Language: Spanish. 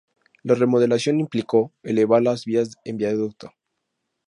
La remodelación implicó elevar las vías en viaducto.